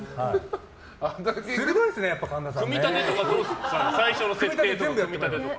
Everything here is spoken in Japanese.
鋭いですね、やっぱり神田さん。